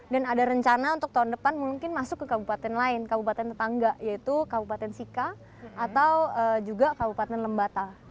dan ada rencana untuk tahun depan mungkin masuk ke kabupaten lain kabupaten tetangga yaitu kabupaten sika atau juga kabupaten lembata